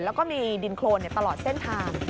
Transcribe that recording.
แล้วก็มีดินโครนตลอดเส้นทาง